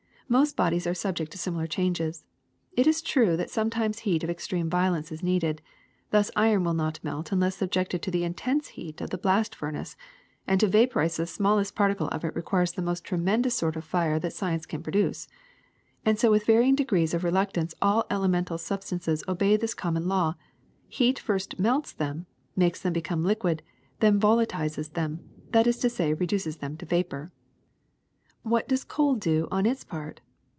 Most bodies are subject to similar changes. It is true that sometimes heat of extreme violence is needed; thus iron will not melt unless subjected to the intense heat of the blast furnace ; and to vaporize the smallest particle of it requires the most tremen dous sort of fire that science can produce. And so with varying degrees of reluctance all elemental sub stances obey this common law : heat first melts them, makes them become liquid, then volatilizes them, that is to say reduces them to vapor. ^^What does cold do on its part?